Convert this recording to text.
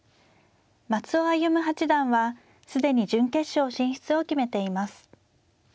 松尾歩八段は既に準決勝進出を決めています。